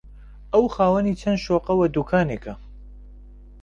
ئەو خاوەنی چەند شوقە و دوکانێکە